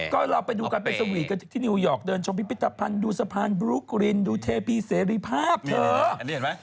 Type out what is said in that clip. ก็เราไปดูกันไปสวีทกันที่นิวยอร์กเดินชมพิพิธภัณฑ์ดูสะพานบลุ๊กรินดูเทพีเสรีภาพเถอะ